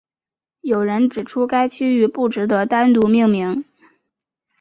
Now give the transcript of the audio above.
有人指出该区域不值得单独命名。